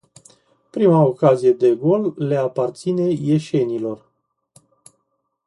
Prima ocazie de gol le aparține ieșenilor.